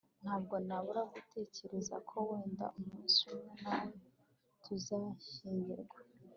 Ntabwo nabura gutekereza ko wenda umunsi umwe nawe tuzashyingirwa